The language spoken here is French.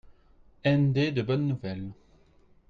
N.-D. de Bonne Nouvelle.